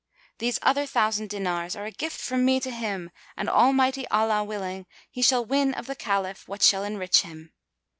These other thousand dinars are a gift from me to him and Almighty Allah willing, he shall win of the Caliph what shall enrich him."